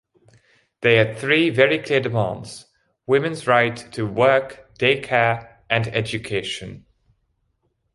They had three very clear demands: women's right to work, daycare, and education.